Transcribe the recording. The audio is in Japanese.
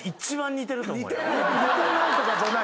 似てないとかじゃない。